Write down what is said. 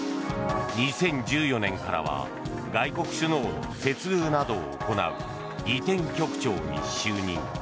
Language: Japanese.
２０１４年からは外国首脳の接遇などを行う儀典局長に就任。